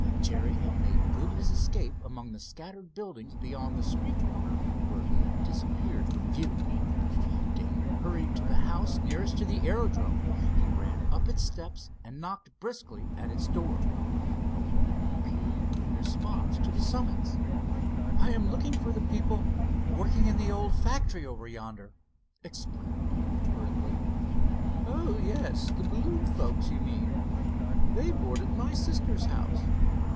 Jerry had made good his escape among the scattered buildings beyond the street corner where he had disappeared from view. Dave hurried to the house nearest to the aerodrome. He ran up its steps and knocked briskly at its door. A woman appeared in response to the summons. "I am looking for the people working in the old factory over yonder," explained Dave, hurriedly. "Oh, yes, the balloon folks, you mean? They board at my sister's house."